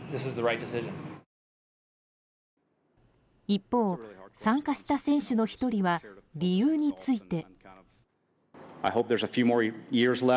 一方、参加した選手の１人は理由について。